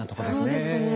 そうですね。